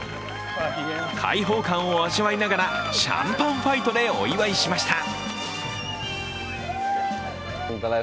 開放感を味わいながらシャンパンファイトでお祝いしました。